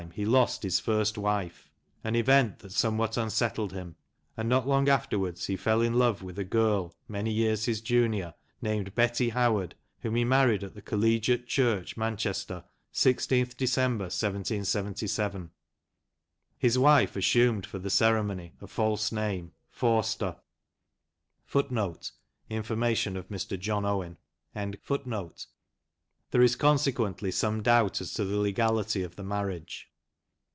121 he lost his first wife, an event that somewhat unsettled him, and, not long afterwards, he fell in love with a girl, many years his junior, named Betty Howard, whom he married at the Collegiate Church, Manchester, i6th December, 1777. His wife assumed for the ceremony a false name (Forster).* There is consequently some doubt as to the legality of the marriage.